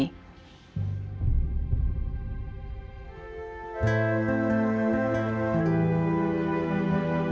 tidak ada yang bisa diberi kesalahan